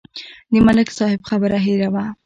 د ملک صاحب خبره هېره وه.